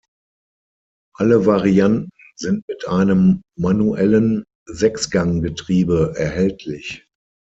Alle Varianten sind mit einem manuellen Sechsganggetriebe erhältlich.